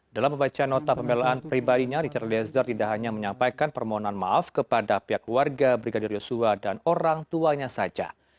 dalam membaca nota pembelaan pribadinya richard eliezer tidak hanya menyampaikan permohonan maaf kepada pihak keluarga brigadir yosua dan orang tuanya saja